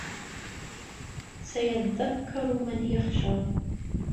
سَيَذَّكَّرُ مَن يَخشى